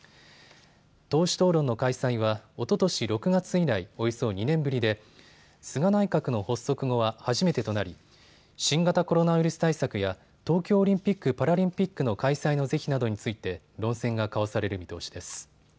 党首討論の開催はおととし６月以来、およそ２年ぶりで菅内閣の発足後は初めてとなり新型コロナウイルス対策や東京オリンピック・パラリンピックの開催の是非などについて論戦が交わされる見通しです。